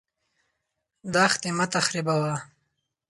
دښتې مه تخریبوه.